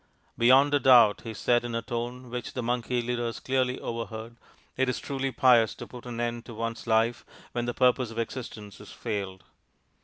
" Beyond a doubt," he said in a tone which the Monkey leaders clearly overheard, "it is truly pious to put an end to one's life when the purpose of existence has failed."